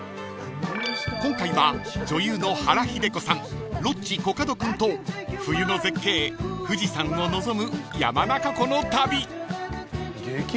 ［今回は女優の原日出子さんロッチコカド君と冬の絶景富士山を望む山中湖の旅］